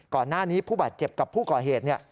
ก่อนหน้านี้ผู้บาดเจ็บกับผู้ก่อเหตุ